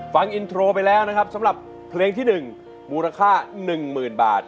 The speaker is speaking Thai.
ฟังอินโทรไปแล้วนะครับสำหรับเพลงที่๑มูลค่า๑๐๐๐บาท